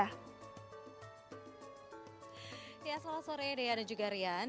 halo sore dea dan juga rian